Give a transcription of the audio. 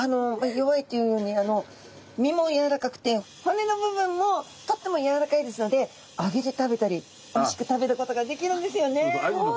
弱いと言うように身もやわらかくて骨の部分もとってもやわらかいですので揚げて食べたりおいしく食べることができるんですよね。